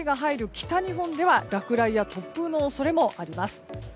北日本では落雷や突風の恐れもあります。